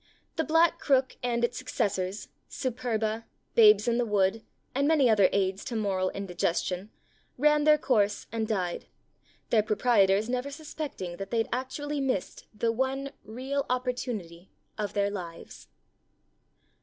"The Black Crook" and its suc cessors, "Superba," "Babes in the Wood," and many other aids to moral indigestion, ran their course and died, their proprietors never suspecting that they'd actually mist the one "real opportunity" of their lives.